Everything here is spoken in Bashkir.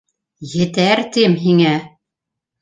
— Етәр, тим һиңә!